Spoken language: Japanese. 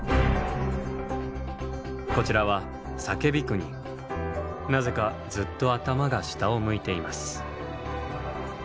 こちらはなぜかずっと頭が下を向いています。